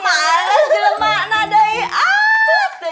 males jauh makna ya